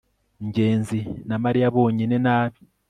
ngenzi na mariya bonyine nabi